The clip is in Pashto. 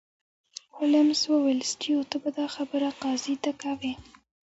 هولمز وویل سټیو ته به دا خبره قاضي ته کوې